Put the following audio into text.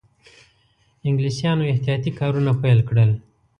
انګلیسیانو احتیاطي کارونه پیل کړل.